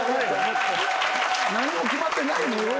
何にも決まってない。